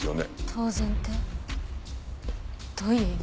当然ってどういう意味？